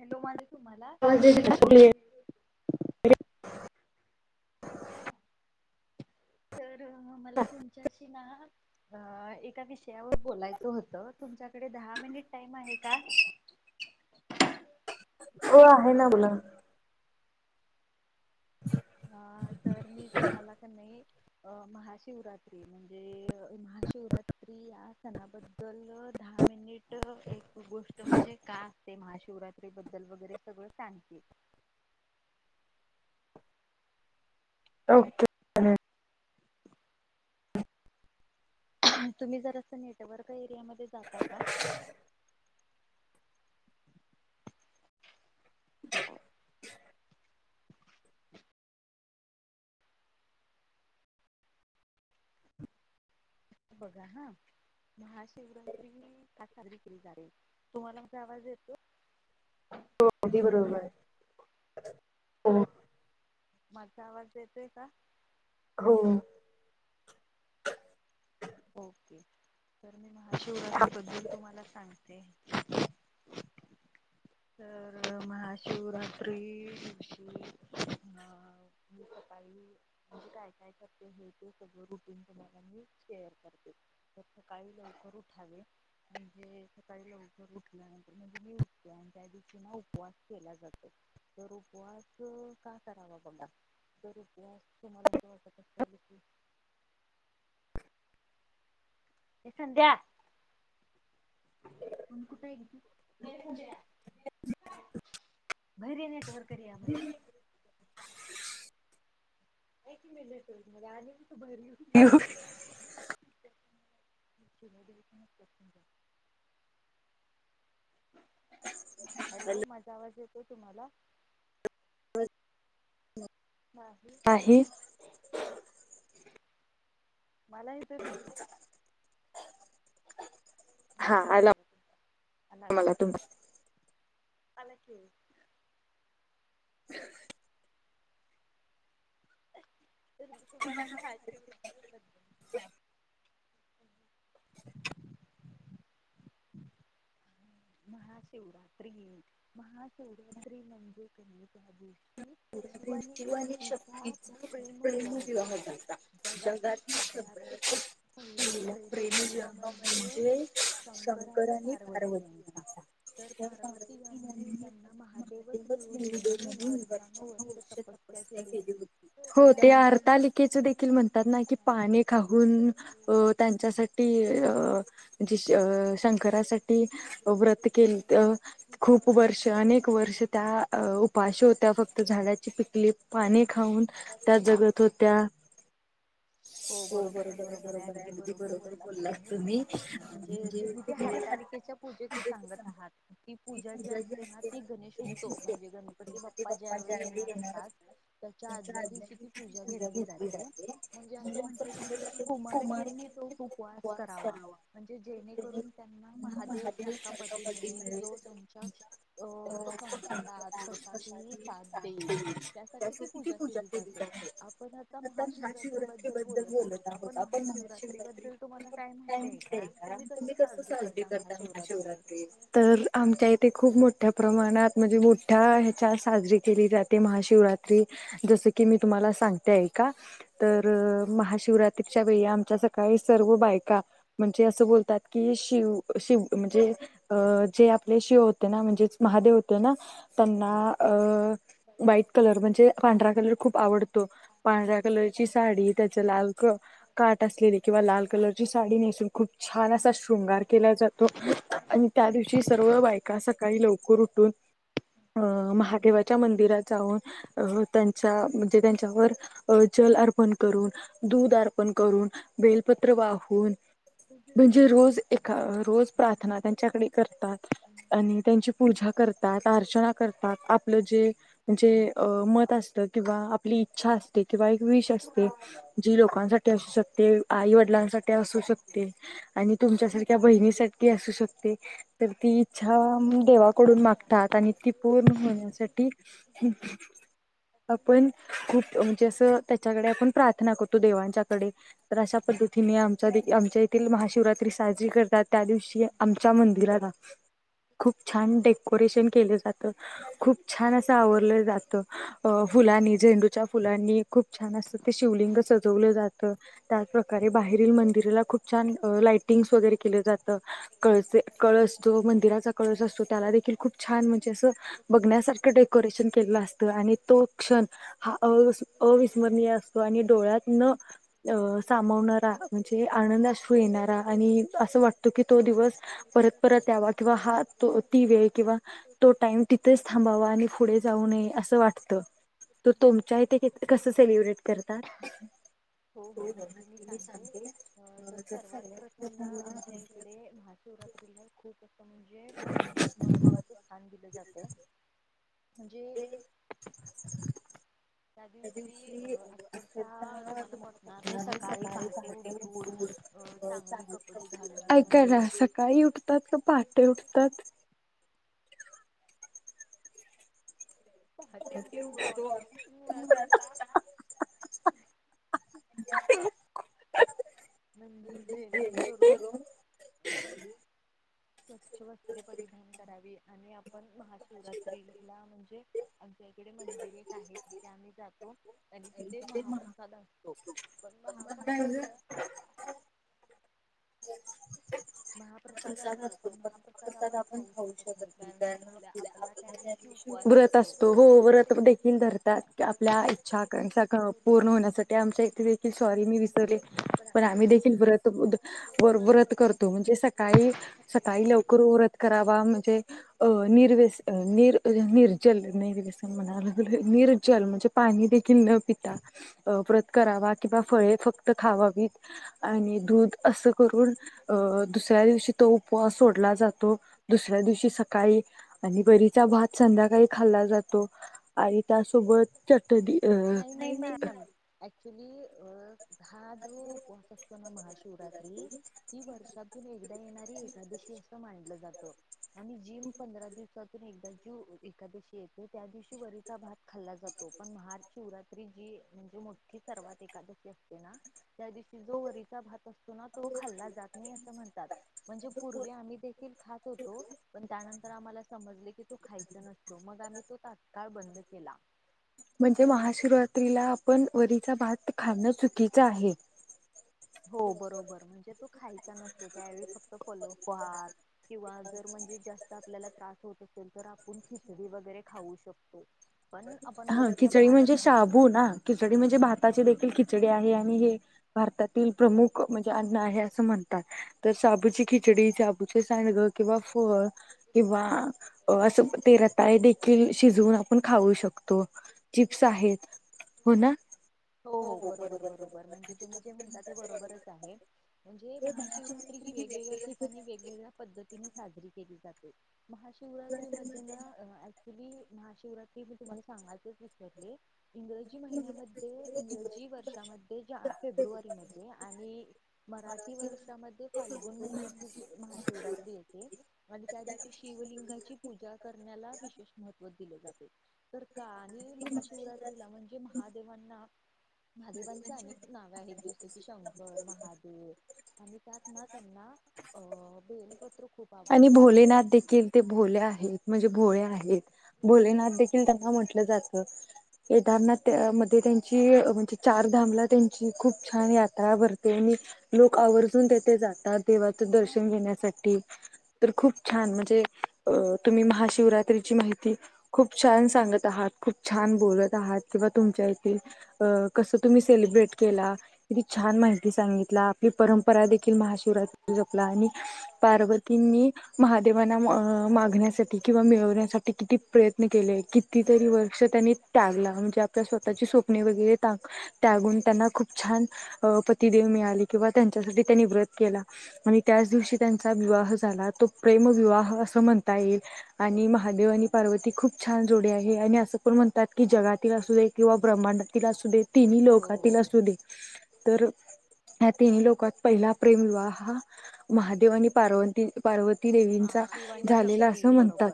Hello, आवाज येतोय तुम्हाला? [inaudible] बोला ना, तर मला तुमच्याशी ना अ एका विषयावर बोलायचं होतं तुमच्याकडे दहा मिनिट टाइम आहे का? हो आहे ना बोला. हा तर मी तुम्हाला कनई अ महाशिवरात्री म्हणजे महाशिवरात्री या सणाबद्द द्दल दहा मिनिट एक गोष्ट म्हणजे काय असतय महाशिवरात्री बद्दल वगैरे सगळं सांगती. ओके. [inaudible] तुम्ही जरासं नेटवर्क एरियामध्ये जाता का? [inaudible] [inaudible] बघा हं महाशिवरात्री साजरी केली जाते तुम्हाला माझा आवाज येतो. हो अगदी बरोबर आहे हो. माझा आवाज येतोय का? हो. ओके तर मी महाशिवरात्री बद्दल तुम्हाला सांगते. तर महाशिवरात्री दिवशी अ मी सकाळी म्हणजे काय काय करते हे ते सगळं रुटीन तुम्हाला मी शेअर करते. सकाळी लवकर उठावे. म्हणजे सकाळी लवकर उठल्यानंतर म्हणजे मी उठते आ त्या दिवशी ना उपवास केला जातो तर उपवास का करावा बघा. तर उपवास तुम्हाला अस वाटत असल की ये संध्या. मम्मे कुठयं गं ती ये संध्या काय? बाहेर ये नेटवर्क एरियामध्ये. हाय कि मी नेटवर्क मध्ये आणि कुठं बाहेर येवू? येवू. ज. शिव्या द्यायचं नसत्यात ह्यज्यात. हॅलो माझा आवाज येतोय तुम्हाला. नाही मला येतोय तुमचा. [unintelligible] हा आला बघा तो आला ना. आला कि ओ. [unintelligible] आ हं म्हणजे तुम्हांना माहिती होत [unintelligible] [unintelligible] हम्म. महाशिवरात्री महाशिवरात्री म्हणजे कणी त्यादिवशी शिव आणि शक्तीचा प्रेमविवाह झालता जगातील सगळ्यात पहिला प्रेमविवाह म्हणजे शंकर आणि पार्वती यांचा. तर पार्वती यांनी त्यांना महादेवच मिळू दे म्हणून वर्षा नू वर्ष तपस्या केली होती. हो ते अर्तालिकेच देखील म्हणतात ना की पाणी खाऊून त्यांच्यासाठी ते अ म्हजे शंकरासाठी व्रत केल खूप वर्ष अनेक वर्ष त्या उपाशी होत्या फक्त झाडाची पिकली पाने खाऊन त्या जगत होत्या. हो बरोबर आहे बरोबर आहे अगदी बरोबर बोललात तुम्ही म्हणजे तुम्ही ते हरतालिकेच्या पूजेच सांगत आहात ती पूजा जी असते ना ती गणेश असतो म्हणजे गणपती बाप्पा ज्या वेळी येणार असतात- त्याच्या आदल्या दिवशी ती पूजा घेतली जाते म्हणजे अस म्हटल जाते की कुमारकेंनी तो उपवास करावा म्हणजे जेणेकरून त्यांना महादेव सारखा पती मिळेल. जो त्यांच्या अ संकटात कशाातही साथ देईल. त्याच्यासाठी पूजा केली जाते. आता महा शिवरात्री बद्दल बोलत [unintelligible] तर आमच्या इथे खूप मोठ्या प्रमाणात म्हणजे मोठ्या ह्याच्या [unintelligible] साजरी केली जाते महाशिवरात्री. जस की मी तुम्हाला सांगते ऐका तर महाशिवरात्रीच्या वेळी आमच्या सकाळी सर्व बायका. म्हणजे अस बोलतात की शिव शिव म्हणजे अ जे आपले शिव होते ना म्हणजेच महादेव होते ना त्यांना अ व्हाईट कलर म्हणजे पांढरा कलर खूप आवडतो. पांढऱ्या कलरची साडी त्याच लाल क काट असलेली किंवा लाल कलरची साडी नेसून खूप छान असा शृंगार केला जातो आणि त्या दिवशी सर्व बायका सकाळी लवकर उठून अ महादेवाच्या मंदिरात जाऊन अ त्यांचा म्हणजे त्यांच्यावर अ जल अर्पण करून दूध अर्पण करून बेलपत्र वाहून. म्हणजे रोज एका रोज प्रार्थना त्यांच्याकडे करतात. आणि त्यांची पूजा करतात अर्चना करतात आप आपल जे म्हण जे मत असत किंवा आपली इच्छा असते किंवा एक विश असते. जी लोकांसाठी असू शकते आई वडिलांसाठी असू शकते. आणि तुमच्यासारख्या बहिणीसाठी असू शकते. तर ती इच्छा देवाकडून मागतात आणि ती पूर्ण होण्याची साठी आपण खूप म्हणजे अस त्याच्याकडे आपण प्रार्थना करतो देवांच्याकडे. तर अशा पद्धतीने आमच्या आमच्या येथील महाशिवरात्री साजरी करतात त्या दिवशी. आमच्या मंदिराला खूप छान डेकोरेशन केल जात खूप छान अस आवरल जात फुलानी झेंडू च्या फुलांनी खूप छान अस ते शिवलिंग सजवल जात. त्याचप्रकारे बाहेरील मंदिराला खूप छान लाइटिंगस वगैरे केल जात. कळसे कळस जो मंदिराचा कळस असतो त्याला देखील खूप छान म्हणजे अस बघण्यासार डेकोरेशन केलेल असत आणि तो क्षण हा अविस्मरणीय असतो आणि डोळ्यात न अ सामावणारा म्हणजे आनंदाश्रू येणारा आणि अस वाटतो की तो दिवस परत परत यावा किंवा हा तो ती वेळ किंवा तो टाइम तिथेच थांबावा. मी पुढे जाऊ नये अस वाटत. तो तुमच्या इथे कस सेलिब्रेट करतात. हो हो नक्की मी सांगते तर सर्वात प्रथम ना आमच्या इकडे [unintelligible] शिवरात्रीला खूप असं म्हणजे महत्त्वाच स्थान, दिलं जाते. म्हणजे त्या दिवशी अ - अक्षरशः तुम्हाला पटणार नाही सकाळी पहाटे उठून. अ -चांगली कपडे, घालून म्हणजे काही उठतात, का पहाटे उठतात. [unintelligible] [unintelligible] म्हणजे, जेणेकरून. स्वच्छ वस्त्रे, परिधान करावी आणि आपण महाशिवरात्री ला म्हणजे आमच्या इकडे मंदिरे, आहेत तिथे आम्ही जातो. आणि तिथे महाप्रसाद असतो. पण महाप्रसादचा [unintelligible] [unintelligible] व्रत असतो हो व्रत, देखील धरतात आपल्या इच्छा आकांक्षा, पूर्ण होण्यासाठी आमचे दे सॉरी, मी विसरले पण आम्ही देखील व्रत- व्रत करतो. ताई सकाळी लवकर व्रत करावा म्हणजे अ- निरवेस -निर निर्जल नाहीस म्हणालं निर्जल म्हणजे पाणी देखील न पिता. वर्त करावा किंवा फळे, फक्त खावावीत आणि दूध असं करून अ- दुसऱ्या दिवशी तो उपवास सोडला जातो दुसऱ्या दिवशी सकाळी आणि वरीचा, भात संध्याकाळी खाल्ला जातो आणि त्यासोबत चटणी. नाही - नाही मॅम ऍक्च्युली अ हा जो उपवास असते ना महाशिवरात्री. ही वर्षातून एकदा येणारी एकादशी, असं मानलं जातं. आणि जीम पंधरा दिवसातून एकदा जीव एकादशी येतो त्या दिवशी वरचा भात. खाल्ला जातो. पण महा शिवरात्री जी म्हणजे मोठी सर्वात एकादशी असते ना त्या दिवशी जो वरीचा भात असतो. तो ना तो खाल्ला जात नाही असं म्हणतात म्हणजे पूर्वी आम्ही देखील खात होतो. पण त्यानंतर आम्हाला समजले की तो खायचं नसतो. मग आम्ही तो तात्काळ बंद केला. म्हणजे महाशिवरात्रीला, आपण वरीचा भात खाणं चुकीचं आहे? हो बरोबर म्हणजे तो खायचा नसतो त्यावेळी फक्त फलोपहार किंवा जर म्हणजे जास्त आपल्याला त्रास होतं असेल तर आपण खिचडी वगैरे खाऊ शकतो. हा खिचडी म्हणजे शाबू, ना खिचडी म्हणजे भाताची, देखील खिचडी आहे आणि हे भारतातील प्रमुख म्हणजे अन्न, आहे असं म्हणता. तर साबूची खिचडी, साबूचे सांडगं, किंवा फळ, किंवा असं तेरात देखील शिजवून आपण खाऊ शकतो. चिप्स आहेत हो ना. हो- हो बरोबर- बरोबर म्हणजे तुम्ही जे म्हणता ते बरोबरच आहे. म्हणजे महाशिवरात्री ही वेगवेगळ्या ठिकाणी वेगवेगळ्या पद्धतीने साजरी केली जाते. महाशिवरात्री मध्ये ना महाशिवरात्री मी तुम्हाला सांगायच विसरले इंग्रजी महिन्यामध्ये इंगज जी वर्षामध्ये, जा फेब्रुवारीमध्ये, आणि मराठी वर्षामध्ये, फाल्गुन महिन्यात ही महाशिवरात्री येते. आणि त्या दिवशी शिवलिंगाची पूजा करण्याला विशेष महत्व दिले जाते. तर कहाणी महाशिवरात्रीला म्हणजे महादेवांना महादेवांची अनेक नावे आहेत जसे की शंकर महादेव आणि त्यात ना त्यांना अ बेलपत्र खूप- आणि भोलेनाथ देखील. ते भोले आहेत म्हणजे भोळे आहेत. भोलेनाथ देखील त्यांना म्हटलं जातं. केदारनाथ त्या मध्ये त्यांची म्हणजे चारधामला त्यांची खूप छान यात्रा भरते आणि- लोक आवर्जून तेथे जातात. देवाचं दर्शन घेण्यासाठी. तर खूप छान म्हणजे अ तुम्ही महाशिवरात्रीची माहिती- खूप छान सांगत आहात. खूप छान बोलत आहात. किंवा तुमच्या इथे- अ कसं तुम्ही सेलिब्रेट केला? किति छान माहिती सांगितला. आपली परंपरा देखील महाशिवरात्री जपला आणि पार्वती- तिन्नी. महादेवांना मागण्यासाठी किंवा मिळवण्यासाठी किती प्रयत्न केले. कितीतरी वर्ष त्यांनी- त्यागला. म्हणजे आपल्या स्वतःचे स्वप्ने वगैरे टाग- त्यागून त्यांना खूप छान अ पतिदेव मिळाले. किंवा त्यांच्यासाठी त्यांनी व्रत केला. आणि त्याच दिवशी त्यांचा विवाह झाला. तो प्रेमविवाह असं म्हणता येईल. आणि महादेव आणि पार्वती खूप छान जोडी आहे. आणि असं पण म्हणतात की जगातील असू एक- किंवा ब्रह्मांडातील असू दे. तिन्ही लोकातील असू दे. तर या तिन्ही लोकांत पहिला प्रेमविवाह हा महादेव आणि पार्व- पार्वती देवींचा झालेला असं म्हणतात.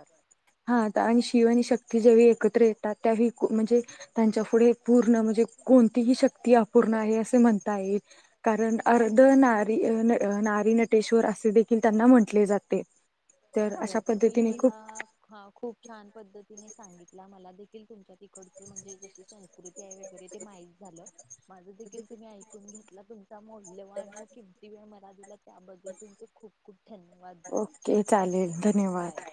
हां. आणि शिव आणि शक्ती ज्यावेळी एकत्र येतात त्यावेळ कू म्हणजे- त्यांच्या पुुढे पूर्ण म्हणजे कोणतीही शक्ती अपूर्ण आहे अस म्हणता येईल. कारण अर्ध नारी अ नारीनटेश्वर अस देखील- त्यांना म्हटले जाते. तर अशा पद्धतीने खूप- हा. खूप छान पद्धतीने सांगितला. मला देखील तुमच्या- तिकडची म्हणजे जशी संस्कृती आहे वगैरे ते माहीत झालं. माझं देखील तुम्ही ऐ- -कून घेतला. तुमचा मौल्यवान व किमती वेळ मला दिला - त्याबद्दल तुमचे खूप खूप धन्यवाद. [unintelligible] [unintelligible] चालेल धन्यवाद.